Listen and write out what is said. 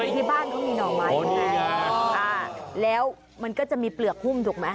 ที่บ้านเขามีหน่อม้ายแล้วมันก็จะมีเปลือกหุ้มถูกไหม